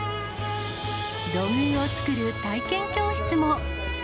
土偶を作る体験教室も。